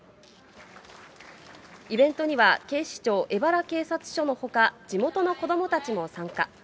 イベントには、警視庁荏原警察署のほか、地元の子どもたちも参加。